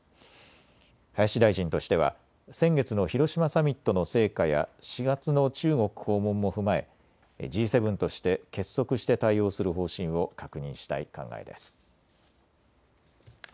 林大臣としては先月の広島サミットの成果や４月の中国訪問も踏まえＧ７として結束して対応する方針を確認したい考えです。